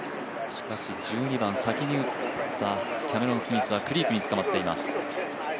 しかし、１２番、先に打ったキャメロン・スミスはクリークにつかまっています。